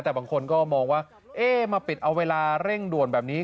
แต่บางคนก็มองว่าเอ๊ะมาปิดเอาเวลาเร่งด่วนแบบนี้